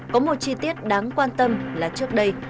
có một chi tiết đáng quan tâm là trước đây